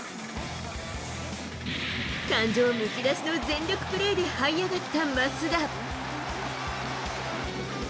感情むき出しの全力プレーではい上がった増田。